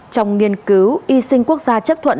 trong nghiên cứu y sinh quốc gia chấp thuận